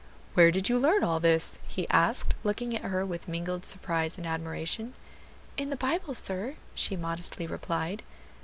'" "Where did you learn all this?" he asked, looking at her with mingled surprise and admiration. "In the Bible, sir," she modestly replied.